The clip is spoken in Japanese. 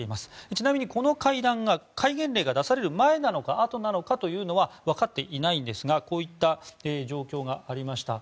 ちなみにこの会談が戒厳令が出される前なのかあとなのかということはわかっていないんですがこういった状況がありました。